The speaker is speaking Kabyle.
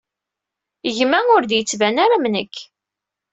Gma ur d-yettban ara am nekk.